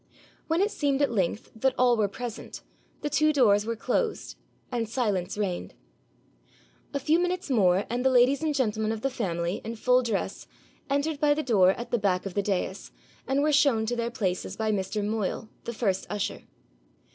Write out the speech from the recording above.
When it seemed at length that all were present, the two doors were closed, and silence reigned. A few minutes more and the ladies and gentlemen of the family, in full dress, entered by the door at the back of the dais, and were shown to their places by Mr. Moyle, the first usher.